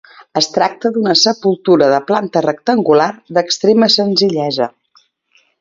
Es tracta d'una sepultura de planta rectangular d'extrema senzillesa.